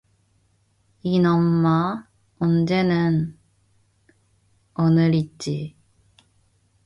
이놈아 언제는, 오늘이지.